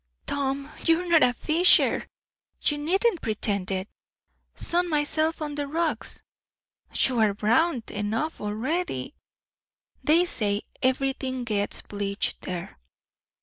"Tom! you're not a fisher. You needn't pretend it." "Sun myself on the rocks." "You are brown enough already." "They say, everything gets bleached there."